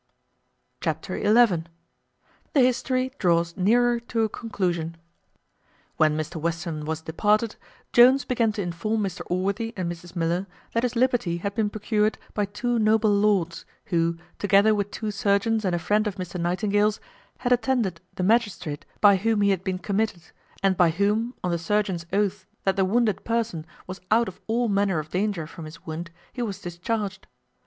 Chapter xi. The history draws nearer to a conclusion. When Mr Western was departed, Jones began to inform Mr Allworthy and Mrs Miller that his liberty had been procured by two noble lords, who, together with two surgeons and a friend of Mr Nightingale's, had attended the magistrate by whom he had been committed, and by whom, on the surgeons' oaths, that the wounded person was out of all manner of danger from his wound, he was discharged.